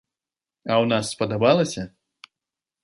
А ў нас спадабалася?